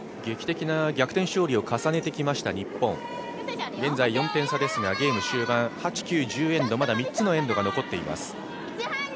劇的な逆転勝利を重ねてきました日本、現在、４点差ですが、ゲーム終盤、８、９、１０エンド、まだ３つのエンドが残っています。